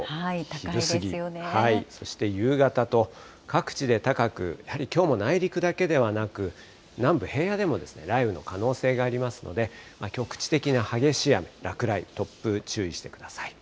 昼過ぎ、そして夕方と各地で高く、やはりきょうも内陸だけではなく、南部、平野部でも雷雨の可能性がありますので、局地的な激しい雨、落雷、突風、注意してください。